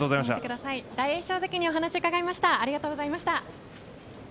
大栄翔関にお話を伺いました。